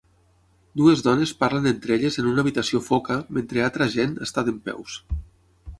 Dues dones parlen entre elles en una habitació foca mentre altra gent està dempeus.